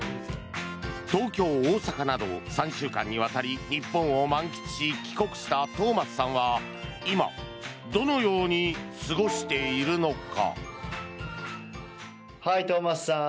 東京、大阪など３週間にわたり日本を満喫し、帰国したトーマスさんは今どのように過ごしているのか。